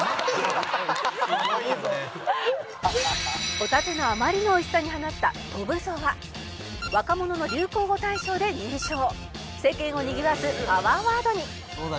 「ホタテのあまりのおいしさに放った“飛ぶぞ”は若者の流行語大賞で入賞」「世間をにぎわすパワーワードに」